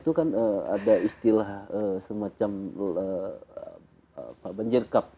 itu kan ada istilah semacam pak banjir kap